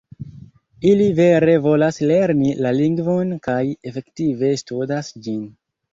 Ili vere volas lerni la lingvon kaj efektive studas ĝin.